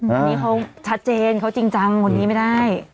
มีคนชัดเจนเขาจริงจังหมดนี้ไม่ได้